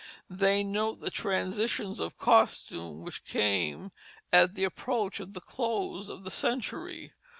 They note the transitions of costume which came at the approach of the close of the century.